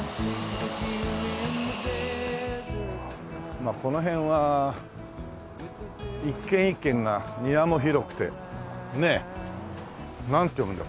まあこの辺は一軒一軒が庭も広くてねえ。なんて読むんだ？